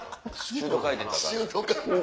シュート回転。